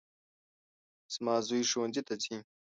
زما زوی ښوونځي ته ځي